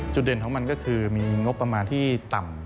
จุดเด่นของมันก็คือมีงบประมาณที่ต่ำ